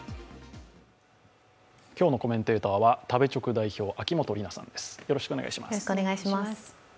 今日のコメンテーターは食べチョク代表、秋元里奈さんです